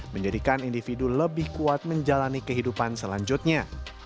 menjadikan individu lebih kuat menjalani kehidupan selanjutnya